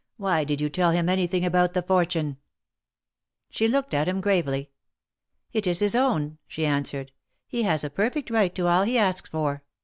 Why did you tell him anything about the fortune ?" She looked at him gravely. "It is his own," she answered. "He has a perfect right to all he asks for.